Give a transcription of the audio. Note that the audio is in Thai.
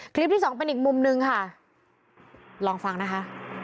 คลิปที่สองเป็นอีกมุมนึงค่ะลองฟังนะคะ